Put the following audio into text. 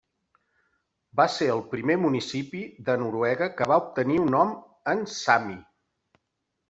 Va ser el primer municipi de Noruega que va obtenir un nom en sami.